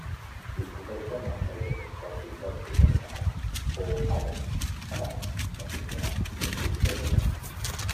Discuteixen l'enveja d'un soci d'èxit anomenat Paul Allen abans de comprar un costós dinar.